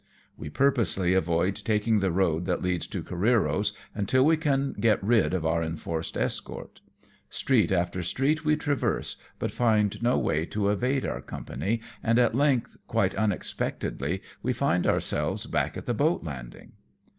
We purposely avoid taking the road that leads to Careero's, until we can get rid of our enforced escort. Street after street we traverse^ but find no way to evade their company, and at length, quite unexpectedly we find ourselves back at the boat landing.